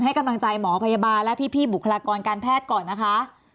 ให้กำลังใจหมอพยาบาลและพี่บุคลากรการแพทย์ก่อนนะคะ